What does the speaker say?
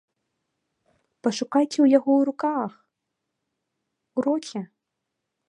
Пашукайце ў яго руках, у роце!